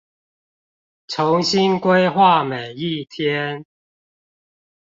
重新規劃每一天